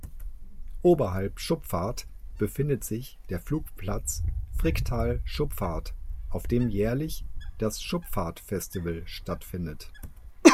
Oberhalb Schupfart befindet sich der Flugplatz Fricktal-Schupfart, auf dem jährlich das "Schupfart Festival" stattfindet.